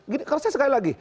gini kalau saya sekali lagi